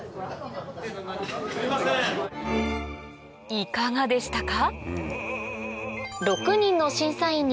いかがでしたか？